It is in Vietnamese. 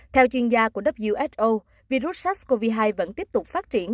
theo chuyên gia của who virus sars cov hai vẫn tiếp tục phát triển